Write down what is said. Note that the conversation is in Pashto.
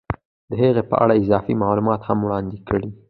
د هغې په اړه اضافي معلومات هم وړاندې کړي